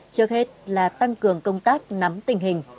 trước hết là tăng cường công tác nắm tình hình